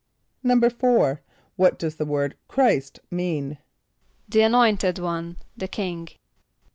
"= =4.= What does the word "Chr[=i]st" mean? =The Anointed One, the King.